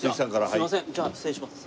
すいませんじゃあ失礼します。